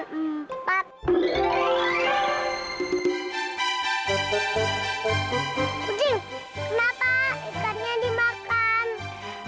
kucing kenapa ikannya dimakan